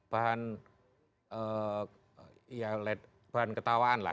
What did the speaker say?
bahan ketawaan lah